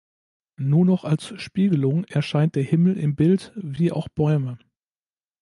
Nur noch als Spiegelung erscheint der Himmel im Bild, wie auch Bäume.